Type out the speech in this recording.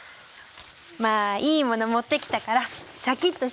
まあいいもの持ってきたからシャキッとしなよ。